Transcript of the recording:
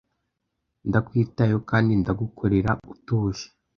ndakwitayeho kandi ndagukorera utuje